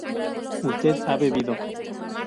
usted ha bebido